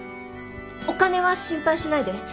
お金は心配しないで。